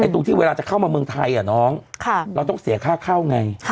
ตรงที่เวลาจะเข้ามาเมืองไทยน้องเราต้องเสียค่าเข้าไง